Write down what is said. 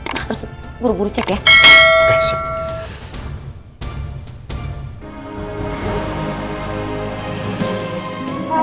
kita harus buru buru cek ya